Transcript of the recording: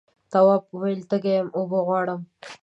تواب وویل تږی یم اوبه غواړم.